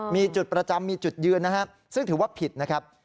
มีจุดประจำมีจุดยืนนะครับซึ่งถือว่าผิดนะครับ